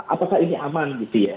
apakah ini aman gitu ya